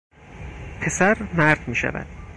پسر مرد میشود